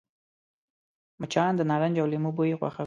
مچان د نارنج او لیمو بوی خوښوي